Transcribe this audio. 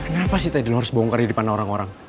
kenapa sih tadi lo harus bongkar di depan orang orang